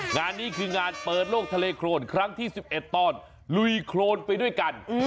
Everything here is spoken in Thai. งานนี้คืองานเปิดโลกทะเลโครนครั้งที่๑๑ตอนลุยโครนไปด้วยกัน